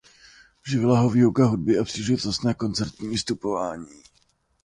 Živila ho výuka hudby a příležitostné koncertní vystupování.